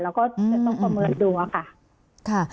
เราก็ต้องความเมินดูอ่ะค่ะ